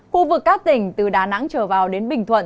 khu vực các tỉnh từ đà nẵng trở vào đến bình thuận